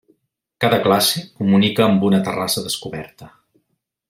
Cada classe comunica amb una terrassa descoberta.